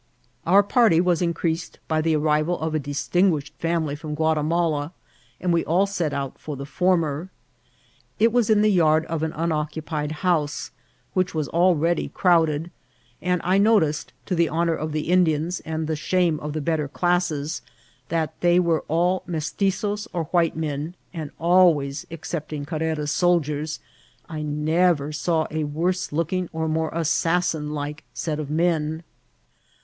Our party was increased by the arrival of a distinguished iioLmily firom Quatimala, and we all set out for the former. It was in the yard of an unoccupied house, which was al ready crowded ; and I noticed, to the honour of the In dians and the shame of the better classes, that they wer^ all Mestitzoes or white men, and, always except ing Carrera's soldiers, I never saw a worse looking or more assassin like set of men.